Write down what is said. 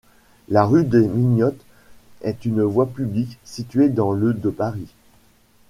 La rue des Mignottes est une voie publique située dans le de Paris.